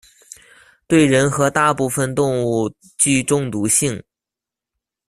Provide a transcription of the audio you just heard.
对人和大部分动物具中毒性。